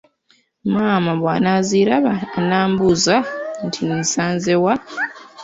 Maama bw'anaaziraba anambuuza nti nzisanze wa?